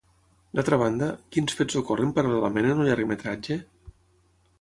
D'altra banda, quins fets ocorren paral·lelament en el llargmetratge?